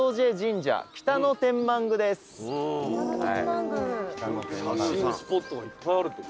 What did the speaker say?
写真スポットがいっぱいあるってこと？